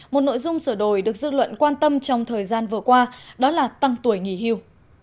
một nội dung sửa đổi được dư luận quan tâm trong thời gian vừa qua đó là tăng tuổi nghỉ hưu